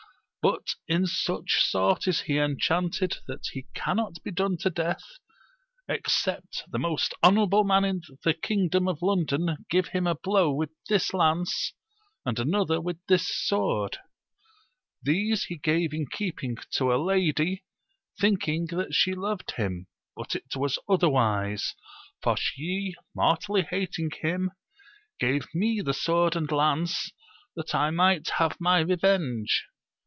But in such sort is he enchanted, that he cannot be done to death except the most honourable man of the kingdom of Londft^iL giye him a blow with this lance, an^ ^iSiofOcifc^ n^SJ:^ this sword : these he gave in keepmg \»o ^\3A:^ ^'Ottvs^ 190 AMADIS OF GAUL. ing that she loved him ; but it was otherwise, for she mortally hating him gave me the sword and lance that I might have my revenge.